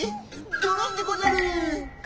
ドロンでござる。